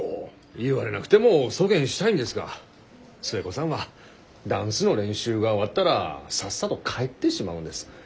言われなくてもそげんしたいんですが寿恵子さんはダンスの練習が終わったらさっさと帰ってしまうんです。